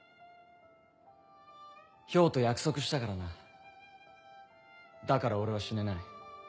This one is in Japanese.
漂と約束したからなだから俺は死ねない。